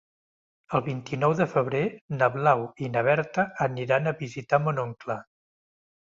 El vint-i-nou de febrer na Blau i na Berta aniran a visitar mon oncle.